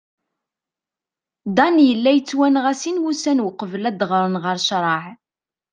Dan yella yettwanɣa sin wussan uqbel ad d-aɣren ɣer ccreɛ.